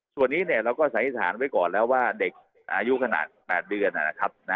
ส่วนนี้เราก็สันนิษฐานไว้ก่อนแล้วว่าเด็กอายุขนาด๘เดือนนะครับ